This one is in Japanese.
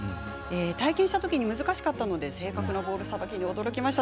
体験したときに難しかったので正確なボールさばきに驚きました。